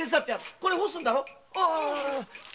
これ干すんだろ。